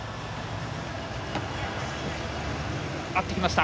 合ってきました。